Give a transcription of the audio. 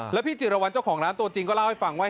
แล้วพี่จิรวรรณเจ้าของร้านตัวจริงก็เล่าให้ฟังว่า